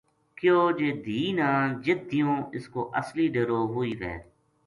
کیوں جے دھِی نا جِت دِیوں اس کو اصلی ڈیرو وُہی وھے “